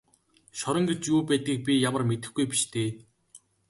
Шорон гэж юу байдгийг би ямар мэдэхгүй биш дээ.